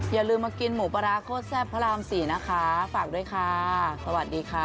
อย่าลืมมากินหมูปลาร้าโคตรแซ่บพระรามสี่นะคะฝากด้วยค่ะสวัสดีค่ะ